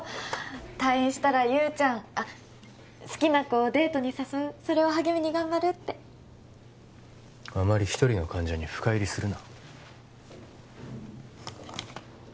退院したら優ちゃんあっ好きな子をデートに誘うそれを励みに頑張るってあまり一人の患者に深入りするな